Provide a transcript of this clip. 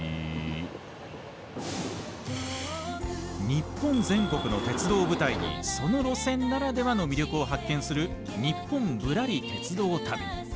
日本全国の鉄道を舞台にその路線ならではの魅力を発見する「ニッポンぶらり鉄道旅」。